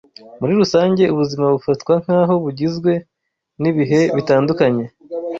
Muri rusange ubuzima bufatwa nk’aho bugizwe n’ibihe bitandukanye: